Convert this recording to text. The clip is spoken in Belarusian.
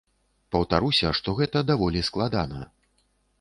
Паўтаруся, што гэта даволі складана.